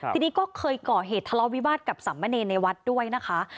ทีนี้ก็เคยก่อเหตุทะเลาวิวาสกับสามเณรในวัดด้วยนะคะ